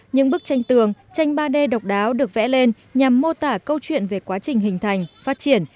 những bức tranh tường tranh ba d độc đáo được vẽ lên nhằm mô tả câu chuyện về quá trình hình thành phát triển